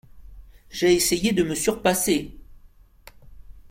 J’ai essayé de me surpasser.